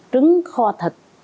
trứng kho thịt